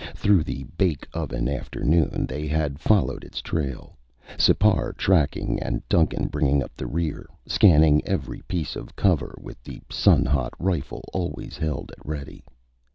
Through the bake oven afternoon, they had followed its trail, Sipar tracking and Duncan bringing up the rear, scanning every piece of cover, with the sun hot rifle always held at ready.